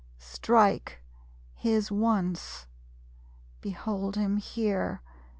Strike, his once! Behold him here.